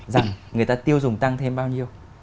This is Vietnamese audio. rằng người ta tiêu dùng tăng thêm bao nhiêu